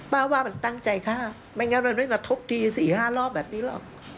ว่ามันตั้งใจฆ่าไม่งั้นมันไม่มาทุบที๔๕รอบแบบนี้หรอก